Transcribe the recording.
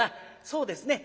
「そうですね。